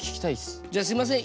じゃすいません。